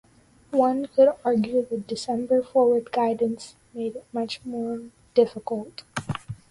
One could argue the December forward guidance made it much more difficult.